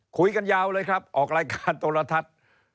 คุยกันยาวเลยครับออกรายการโทรทัศน์